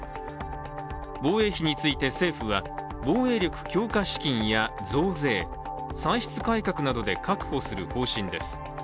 防衛費について政府は、防衛力強化資金や増税、歳出改革などで確保する方針です。